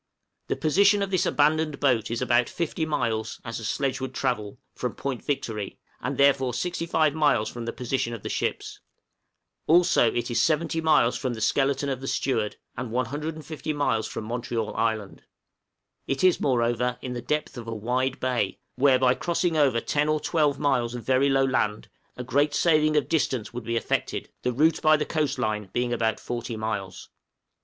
The position of this abandoned boat is about 50 miles as a sledge would travel from Point Victory, and therefore 65 miles from the position of the ships; also it is 70 miles from the skeleton of the steward, and 150 miles from Montreal Island; it is moreover in the depth of a wide bay, where, by crossing over 10 or 12 miles of very low land, a great saving of distance would be effected, the route by the coast line being about 40 miles.